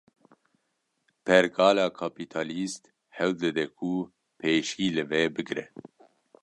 Pergala Kapîtalîst, hewl dide ku pêşî li vê bigre